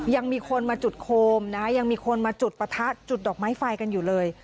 ยังมีคนมาจุดโคมนะยังมีคนมาจุดประทัดจุดดอกไม้ไฟกันอยู่เลย